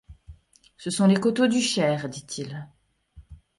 Ce sont les coteaux du Cher, dit-il.